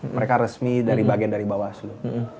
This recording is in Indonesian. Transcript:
mereka resmi dari bagian dari bawah aslo